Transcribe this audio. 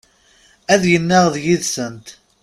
Ad yennaɣ d yid-sent.